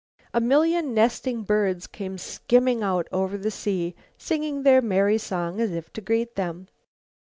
A million nesting birds came skimming out over the sea, singing their merry song as if to greet them.